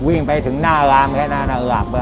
วิ่งไปถึงหน้าอาหารแค่หน้าอาหรับ